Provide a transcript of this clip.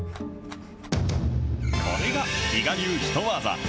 これが伊賀流ヒトワザ。